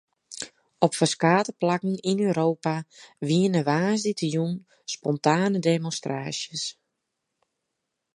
Op ferskate plakken yn Europa wiene woansdeitejûn spontane demonstraasjes.